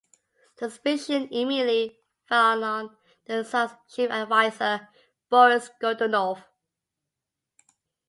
Suspicion immediately fell on the tsar's chief advisor, Boris Godunov.